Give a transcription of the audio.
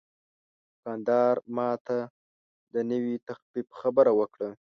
دوکاندار ماته د نوې تخفیف خبره وکړه.